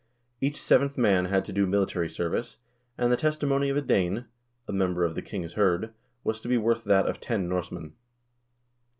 Each seventh man had to do military service, and the testimony of a Dane (a member of the king's hird) was to be worth that of ten Norsemen.